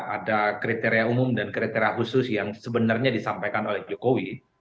ada kriteria umum dan kriteria khusus yang sebenarnya disampaikan oleh jokowi